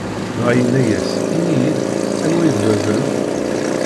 Dɣa yenna-yas: Ini-yi-d, anwa i d baba-m?